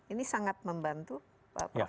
ini sangat membantu pak